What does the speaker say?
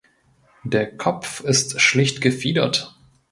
Der Kopf ist schlicht gefiedert.